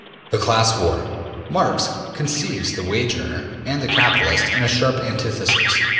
The Class War. Marx conceives the wage earner and the capitalist in a sharp antithesis.